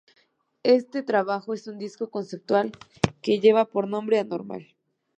Este trabajo es un disco conceptual que lleva por nombre: Anormal.